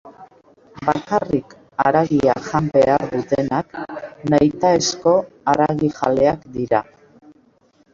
Bakarrik haragia jan behar dutenak nahitaezko haragijaleak dira.